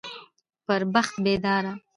پر بخت بيداره